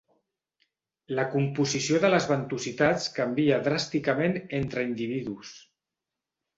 La composició de les ventositats canvia dràsticament entre individus.